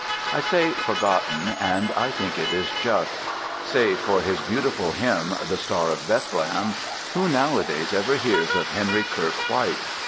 I say "forgotten," and I think it is just; save for his beautiful hymn "The Star of Bethlehem," who nowadays ever hears of Henry Kirke White?